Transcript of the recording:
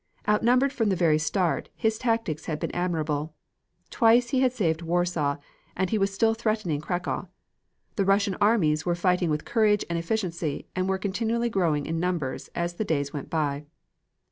Outnumbered from the very start, his tactics had been admirable. Twice he had saved Warsaw, and he was still threatening Cracow. The Russian armies were fighting with courage and efficiency, and were continually growing in numbers as the days went by.